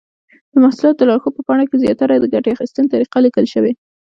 د محصولاتو د لارښود په پاڼه کې زیاتره د ګټې اخیستنې طریقه لیکل شوې.